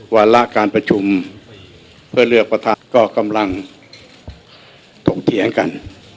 วาระการประชุมเพื่อเลือกประทัดก็กำลังถกเถียงกัน